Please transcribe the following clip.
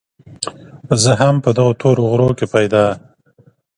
زه هم په دغه تورو غرو کې پيدا